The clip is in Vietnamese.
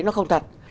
nó không thật